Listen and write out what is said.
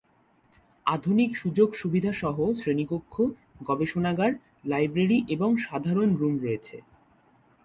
আধুনিক সুযোগ সুবিধা সহ শ্রেণিকক্ষ, গবেষণাগার, লাইব্রেরি এবং সাধারণ রুম রয়েছে।